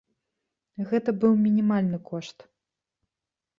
Гэта быў мінімальны кошт.